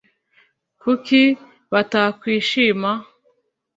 Kuki batakwishima